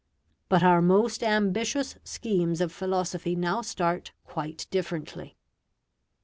But our most ambitious schemes of philosophy now start quite differently.